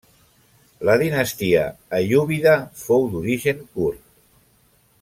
La dinastia aiúbida fou d'origen kurd.